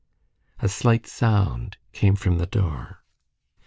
A slight sound came from the door.